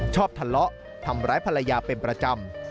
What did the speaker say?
ชอบทะเลาะทำร้ายภรรยาเป็นประจำ